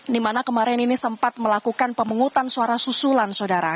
di mana kemarin ini sempat melakukan pemungutan suara susulan saudara